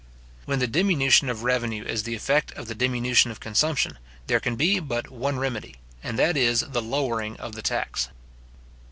When the diminution of revenue is the effect of the diminution of consumption, there can be but one remedy, and that is the lowering of the tax.